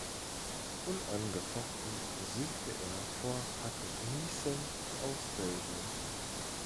Unangefochten siegte er vor Patrick Niessen aus Belgien.